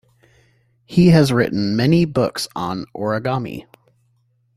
He has written many books on origami.